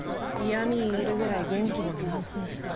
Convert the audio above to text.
嫌み言えるぐらい元気なら安心した。